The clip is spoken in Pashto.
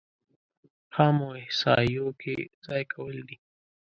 خامو احصایو کې ځای کول دي.